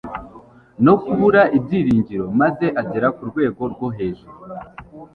no kubura ibyiringiro maze agera ku rwego rwo hejuru